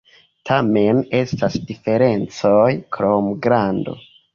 Tamen estas diferencoj krom grando.